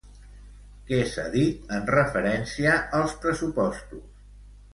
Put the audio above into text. Què s'ha dit en referència als pressupostos?